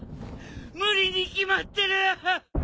無理に決まってる！